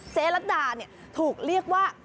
เจ๊ลัดดาเนี่ยถูกเรียกว่า